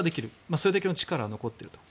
それだけの力は残っていると。